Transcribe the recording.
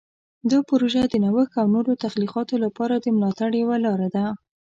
دا پروژه د نوښت او نوو تخلیقاتو لپاره د ملاتړ یوه لاره ده.